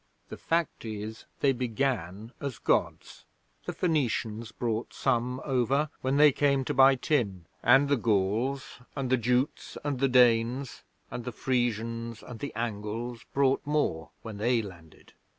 The fact is they began as Gods. The Phoenicians brought some over when they came to buy tin; and the Gauls, and the Jutes, and the Danes, and the Frisians, and the Angles brought more when they landed.